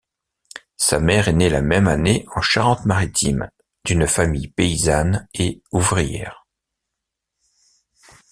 Sa mère est née la même année en Charente-Maritime, d’une famille paysanne et ouvrière.